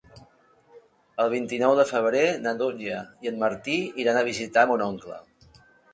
El vint-i-nou de febrer na Dúnia i en Martí iran a visitar mon oncle.